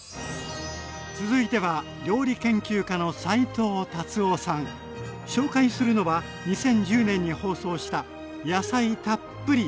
続いては紹介するのは２０１０年に放送した野菜たっぷり！